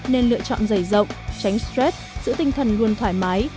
nên lựa chọn dày rộng tránh stress giữ tinh thần luôn thoải mái